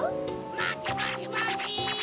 まてまてまて！